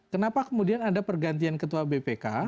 kenapa kemudian ada pergantian ketua bpk